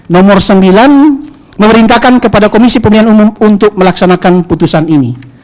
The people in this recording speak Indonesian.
nomor sembilan memerintahkan kepada komisi pemilihan umum untuk melaksanakan putusan ini